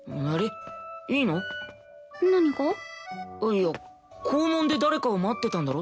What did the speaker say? いや校門で誰かを待ってたんだろ？